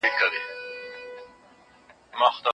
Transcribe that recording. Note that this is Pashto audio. افغان ژباړونکي څه ډول کولای سي د امریکا ځانګړې ویزې ترلاسه کړي؟